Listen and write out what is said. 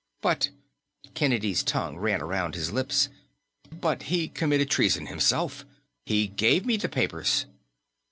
"But " Kennedy's tongue ran around his lips. "But he committed treason himself. He gave me the papers!"